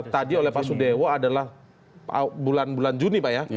tadi oleh pak sudewo adalah bulan bulan juni pak ya